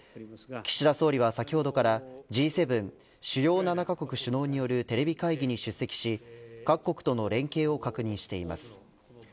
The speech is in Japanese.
岸田総理は先ほどからＧ７主要７カ国首脳によるテレビ会議に出席し各国との連携を確認しています。